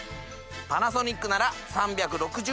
パナソニックなら３６０°